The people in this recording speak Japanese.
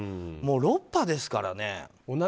もう６波ですからね。